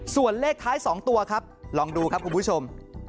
ส่วนเลขท้าย๒ตัวครับลองดูครับคุณผู้ชม